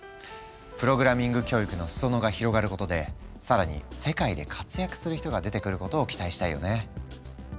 プログラミング教育の裾野が広がることで更に世界で活躍する人が出てくることを期待したいよね。